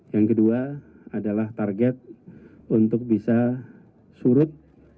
yang kedua adalah target untuk bisa surut